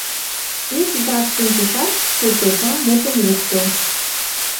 Ик жап шинчышат, суртоза мутым лукто: